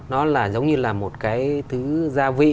nó giống như là một cái thứ gia vị